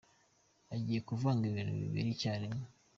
Agiye kuvanga ibintu bibiri icyarimwe